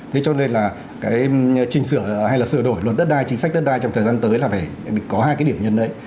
thế cho nên là cái trình sửa hay là sửa đổi luật đất đai chính sách đất đai trong thời gian tới là phải có hai cái điểm nhấn đấy